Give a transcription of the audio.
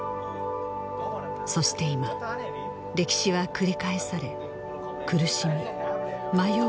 そして今歴史は繰り返され苦しみ迷う